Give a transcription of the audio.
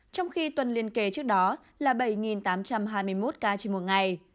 trong khi tuần liên kế trước đó là bảy tám trăm hai mươi một ca trên một ngày